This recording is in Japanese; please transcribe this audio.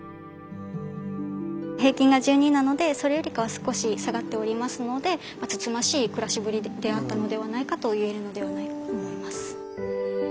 平均が十二なのでそれよりかは少し下がっておりますのでつつましい暮らしぶりであったのではないかといえるのではないかと思います。